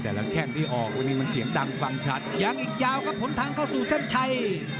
แต่ละแข่งที่ออกคือติดันมันเสียงดังฟังชัด